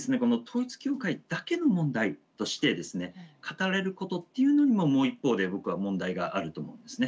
統一教会だけの問題として語られることっていうのももう一方で僕は問題があると思うんですね。